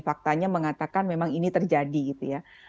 faktanya mengatakan memang ini terjadi gitu ya